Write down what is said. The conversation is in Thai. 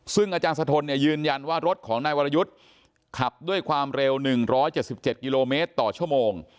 ซึ่งอาจารย์สะทนยืนยันว่ารถของนายวรยุทธ์ขับด้วยความเร็ว๑๗๗กิโลเมตรต่อชั่วโมง